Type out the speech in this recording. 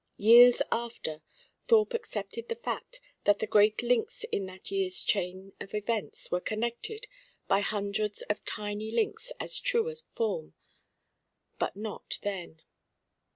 Years after, Thorpe accepted the fact that the great links in that year's chain of events were connected by hundreds of tiny links as true of form; but not then.